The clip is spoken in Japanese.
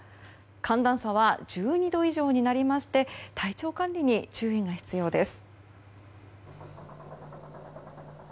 寒暖差は１２度以上になりまして体調管理に注意が必要です。